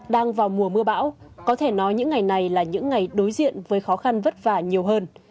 đang vào mùa mưa bão có thể nói những ngày này là những ngày đối diện với khó khăn vất vả nhiều hơn